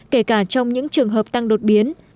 kể cả trong những trường hợp tăng đột biến